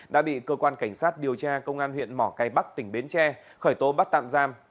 đã bị cơ quan cảnh sát điều tra công an huyện mỏ cây bắc tỉnh bến tre khởi tố bắt tạm giam